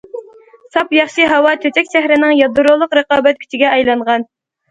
ساپ، ياخشى ھاۋا چۆچەك شەھىرىنىڭ يادرولۇق رىقابەت كۈچىگە ئايلانغان.